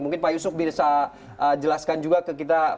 mungkin pak yusuf bisa jelaskan juga ke kita